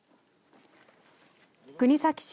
国東市